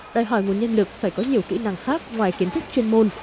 đòi hỏi nguồn nhân lực phải có nhiều kỹ năng khác ngoài kiến thức chuyên môn